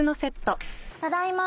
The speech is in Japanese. ただいま。